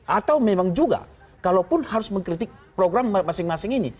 atau memang juga kalaupun harus mengkritik program masing masing ini